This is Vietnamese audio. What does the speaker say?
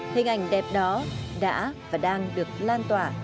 hình ảnh đẹp đó đã và đang được lan tỏa